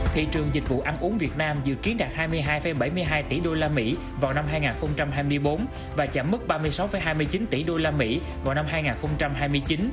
thị trường dịch vụ ăn uống việt nam dự kiến đạt hai mươi hai bảy mươi hai tỷ usd vào năm hai nghìn hai mươi bốn và chạm mức ba mươi sáu hai mươi chín tỷ usd vào năm hai nghìn hai mươi chín